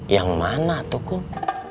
yang mana atukum